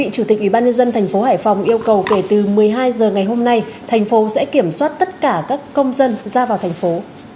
chủ tịch ubnd tp hải phòng yêu cầu kể từ một mươi hai h ngày hôm nay thành phố sẽ kiểm soát tất cả các công dân ra vào thành phố